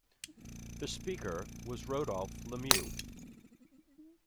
The Speaker was Rodolphe Lemieux.